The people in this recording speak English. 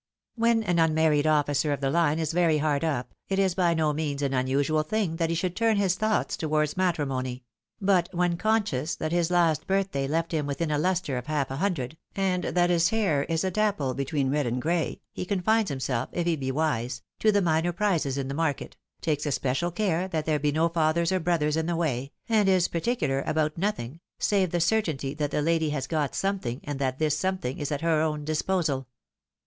When an unmarried officer of the Hne is very hard up, it is by no means an unusual thing that he should turn his thoughts towards matrimony ; but when conscious that his last birthday left him within a lustre of half a hundred, and that his hair is a dapple, between red and gray, he confines himself, if he be wise, to the minor prizes in the market, takes especial care that there be no fathers or brothers in the way, and is particular about nothing, save the certainty that the lady has got something, and that this something Is at her own disposal.